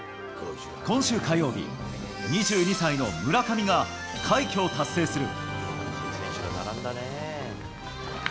今週火曜日、２２歳の村上が快挙を達成する。